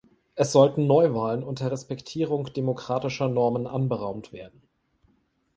Es sollten Neuwahlen unter Respektierung demokratischer Normen anberaumt werden.